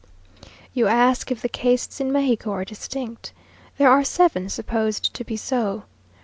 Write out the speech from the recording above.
You ask if the castes in Mexico are distinct. There are seven supposed to be so.